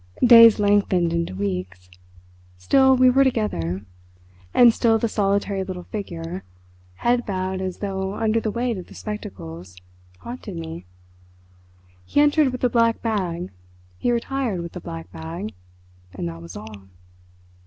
Days lengthened into weeks. Still we were together, and still the solitary little figure, head bowed as though under the weight of the spectacles, haunted me. He entered with the black bag, he retired with the black bag—and that was all.